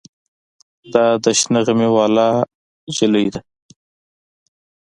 دا د شنه غمي واله جلکۍ ده.